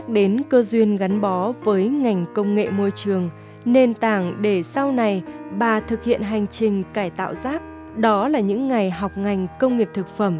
theo đuổi trong hơn hai mươi năm nghiên cứu về môi trường thuộc viện hàn lâm khoa học công nghệ việt nam